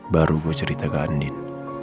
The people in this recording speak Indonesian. baru ku cerita ke andien